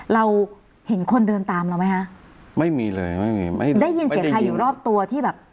เราเห็นคนเดินตามเราไหมคะไม่มีเลยไม่มีไม่ได้ยินเสียงใครอยู่รอบตัวที่แบบ